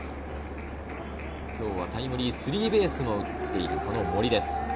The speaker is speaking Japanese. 今日はタイムリースリーベースも打っている森です。